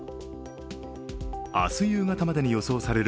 明日夕方までに予想される